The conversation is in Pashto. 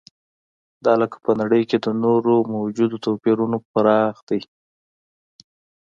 دا لکه په نړۍ کې د نورو موجودو توپیرونو پراخ دی.